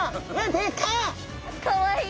かわいい。